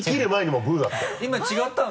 今違ったの？